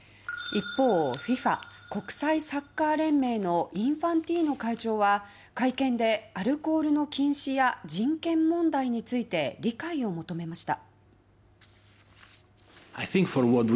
一方ＦＩＦＡ・国際サッカー連盟のインファンティーノ会長は会見でアルコールの禁止や人権問題について理解を求めました。